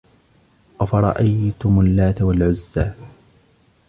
أَفَرَأَيْتُمُ اللاَّتَ وَالْعُزَّى